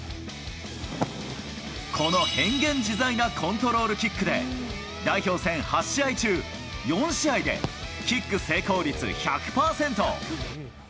この変幻自在なコントロールキックで、代表戦８試合中４試合でキック成功率１００％。